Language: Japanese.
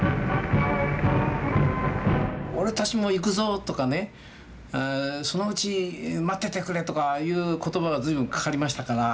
「俺たちも行くぞ」とかね「そのうち待っててくれ」とかいう言葉が随分かかりましたから。